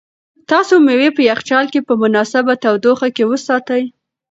تاسو مېوې په یخچال کې په مناسبه تودوخه کې وساتئ.